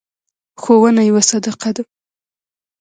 ښوونه یوه صدقه ده.